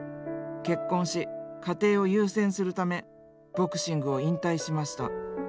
結婚し家庭を優先するためボクシングを引退しました。